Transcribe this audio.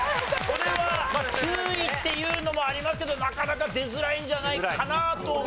これは９位っていうのもありますけどなかなか出づらいんじゃないかなと思ってたんですが。